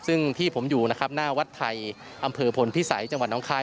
ซึ่งที่ผมอยู่นะครับหน้าวัดไทยอำเภอพลพิสัยจังหวัดน้องคาย